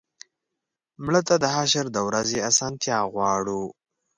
مړه ته د حشر د ورځې آسانتیا غواړو